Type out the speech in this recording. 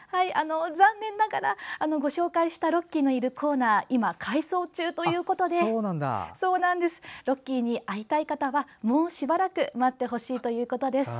残念ながらご紹介したロッキーのいるコーナーは今、改装中ということでロッキーに会いたい方はもうしばらく待ってほしいということです。